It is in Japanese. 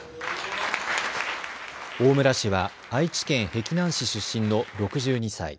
大村氏は愛知県碧南市出身の６２歳。